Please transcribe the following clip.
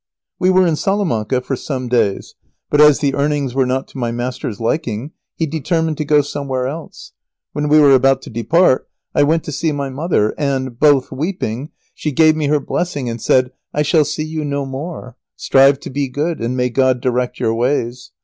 We were in Salamanca for some days, but, as the earnings were not to my master's liking, he determined to go somewhere else. [Sidenote: Lazaro's farewell to his mother.] When we were about to depart, I went to see my mother, and, both weeping, she gave me her blessing and said, "I shall see you no more. Strive to be good, and may God direct your ways.